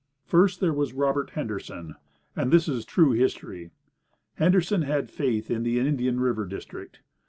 First, there was Robert Henderson and this is true history. Henderson had faith in the Indian River district.